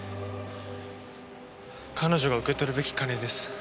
彼女が受け取るべき金です。